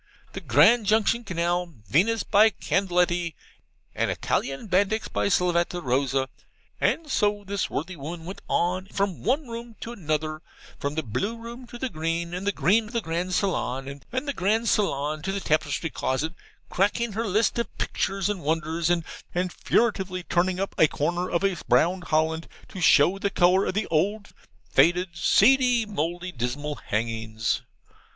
The Grandjunction Canal, Venis, by Candleetty; and Italian Bandix, by Slavata Rosa.' And so this worthy woman went on, from one room into another, from the blue room to the green, and the green to the grand saloon, and the grand saloon to the tapestry closet, cackling her list of pictures and wonders: and furtively turning up a corner of brown holland to show the colour of the old, faded, seedy, mouldy, dismal hangings.